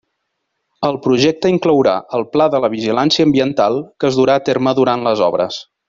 El Projecte inclourà el Pla de la vigilància ambiental que es durà a terme durant les obres.